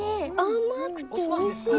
甘くておいしい。